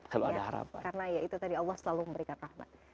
karena ya itu tadi allah selalu memberikan rahmat